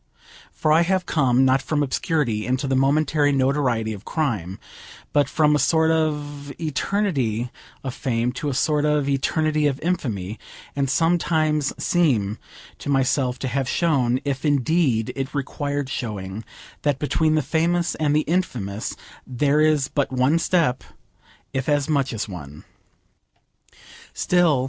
For I have come, not from obscurity into the momentary notoriety of crime, but from a sort of eternity of fame to a sort of eternity of infamy, and sometimes seem to myself to have shown, if indeed it required showing, that between the famous and the infamous there is but one step, if as much as one.